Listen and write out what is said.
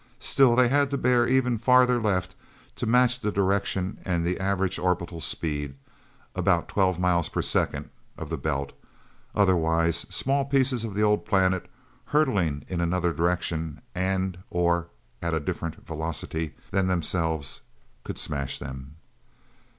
Still, they had to bear even farther left to try to match the direction and the average orbital speed about twelve miles per second of the Belt. Otherwise, small pieces of the old planet, hurtling in another direction and/or at a different velocity than themselves, could smash them.